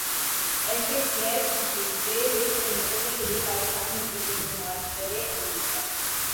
F A T F grey list سے نکلنے کیلئے پاکستان مزید اقدامات کرے امریکا